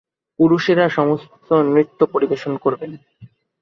পুরুষেরা সমস্ত নৃত্য পরিদর্শন করেন।